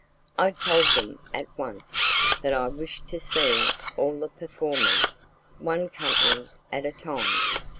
I told them at once that I wished to see all the performers, one company at a time.